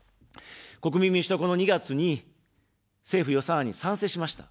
国民民主党は、この２月に政府予算案に賛成しました。